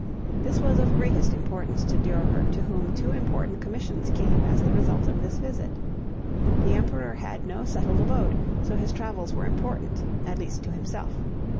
This was of greatest importance to Durer to whom two important commissions came as the result of this visit. The Emperor had no settled abode, so his travels were important, at least to himself.